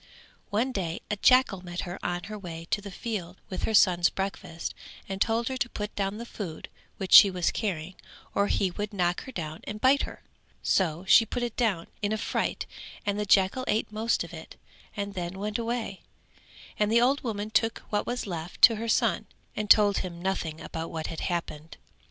One day a jackal met her on her way to the field with her son's breakfast and told her to put down the food which she was carrying or he would knock her down and bite her; so she put it down in a fright and the jackal ate most of it and then went away and the old woman took what was left to her son and told him nothing about what had happened.